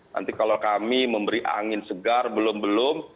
nanti kalau kami memberi angin segar belum belum